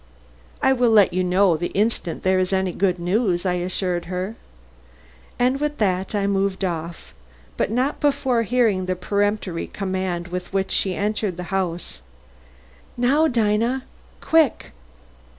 "I will let you know the instant there is any good news," I assured her. And with that I moved off, but not before hearing the peremptory command with which she entered the house: "Now, Dinah, quick!"